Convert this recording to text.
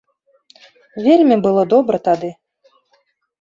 Вельмі было добра тады.